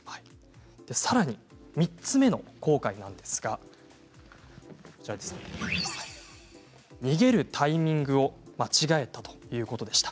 さらに３つ目の後悔ですが逃げるタイミングを間違えたということでした。